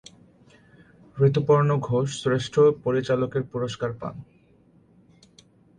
ঋতুপর্ণ ঘোষ শ্রেষ্ঠ পরিচালকের পুরস্কার পান।